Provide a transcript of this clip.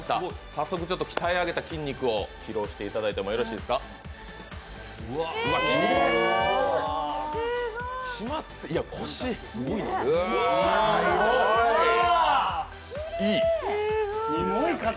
早速、鍛え上げた筋肉を披露していただいてもよろしいでしょうか。